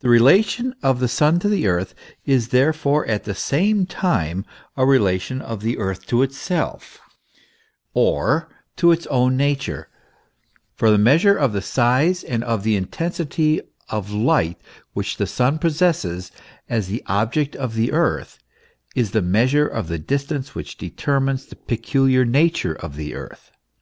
The relation of the Sun to the Earth is therefore at the same time a relation of the Earth to itself, or to its own nature, for the measure of the size and of the intensity of light which the Sun possesses as the object of the Earth, is the measure of the distance, which determines the peculiar nature of the Earth.